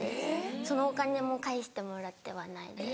そのお金も返してもらってはないです。